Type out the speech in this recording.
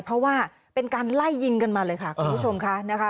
เพราะว่าเป็นการไล่ยิงกันมาเลยค่ะคุณผู้ชมค่ะนะคะ